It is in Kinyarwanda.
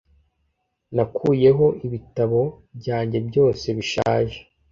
Nakuyeho ibitabo byanjye byose bishaje